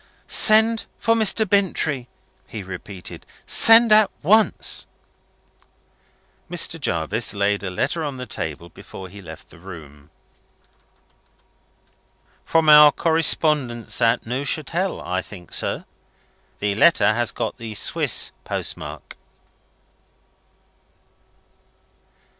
Send for Mr. Bintrey," he repeated "send at once." Mr. Jarvis laid a letter on the table before he left the room. "From our correspondents at Neuchatel, I think, sir. The letter has got the Swiss postmark."